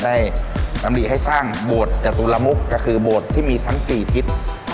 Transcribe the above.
ได้รำดีให้สร้างบวชจากตุลมุกก็คือบวชที่มีทั้ง๔ทิศนะครับ